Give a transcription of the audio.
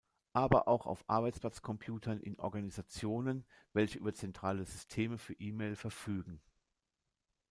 Aber auch auf Arbeitsplatz-Computern in Organisationen, welche über zentrale Systeme für E-Mail verfügen.